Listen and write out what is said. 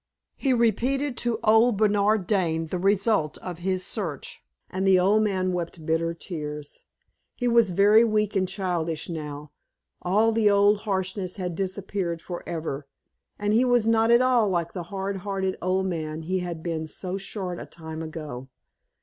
He repeated to old Bernard Dane the result of his search, and the old man wept bitter tears. He was very weak and childish now; all the old harshness had disappeared forever, and he was not at all like the hard hearted old man he had been so short a time ago.